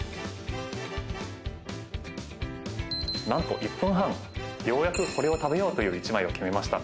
なんと１分半、ようやくこれを食べようという１枚を決めました。